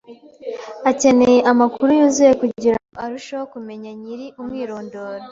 akeneye amakuru yuzuye kugira ngo arusheho kumenya nyiri umwirondoro